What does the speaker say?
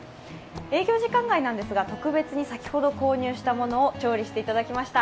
営業時間外なんですが特別に先ほど購入したものを調理していただきました。